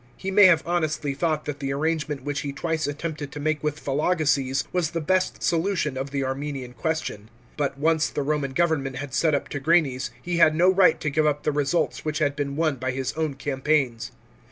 He may have honestly 'thought that the arrangement which he twice attempted to make with Vologeses was the best solution of the Armenian question ; but, once the Roman government had set up Tigranes, he had no right to give up the results which had been won by his own campaigns.